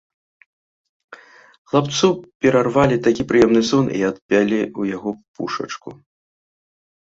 Хлапцу перарвалі такі прыемны сон і адпялі ў яго пушачку.